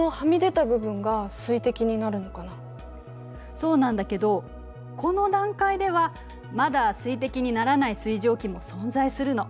そうなんだけどこの段階ではまだ水滴にならない水蒸気も存在するの。